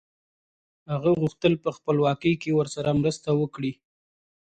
هغه غوښتل په خپلواکۍ کې ورسره مرسته وکړي.